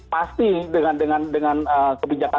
pasti dengan dengan dengan kebijakan